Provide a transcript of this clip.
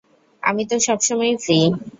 আমি তো সবসময়ই ফ্রি!